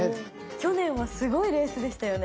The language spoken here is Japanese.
去年はすごいレースでしたよね。